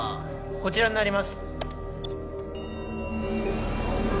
こちらになります・